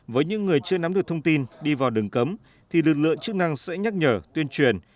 với những người chưa nắm được thông tin đi vào đường cấm thì lực lượng chức năng sẽ nhắc nhở tuyên truyền